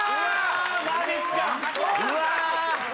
マジっすかうわ！